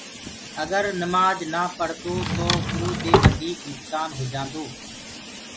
اگر نمآج نآ پڙدو تو اُرو دي وڌيٚڪ نُڪسآن هو جآندو